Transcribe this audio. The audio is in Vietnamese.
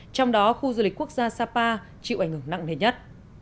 trong đó khu du lịch quốc gia sapa chịu ảnh hưởng nặng nề nhất